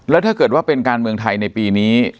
แล้วถ้าเกิดว่าเป็นการเมืองไทยในปีนี้